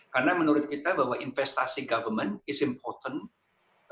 karena menurut kita bahwa investasi government is important